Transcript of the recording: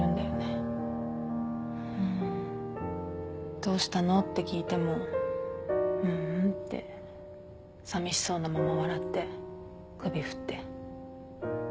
どうしたのって聞いても「ううん」ってさみしそうなまま笑って首振って。